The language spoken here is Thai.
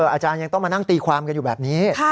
อาจารย์ยังต้องมานั่งตีความกันอยู่แบบนี้